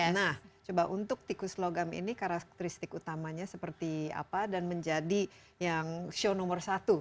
nah coba untuk tikus logam ini karakteristik utamanya seperti apa dan menjadi yang show nomor satu